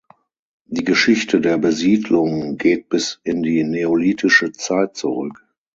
Die Geschichte der Besiedlung geht bis in neolithische Zeit zurück.